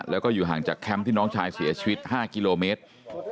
แล้วก็อยู่ห่างจากแคมป์ที่น้องชายเสียชีวิต๕กิโลเมตร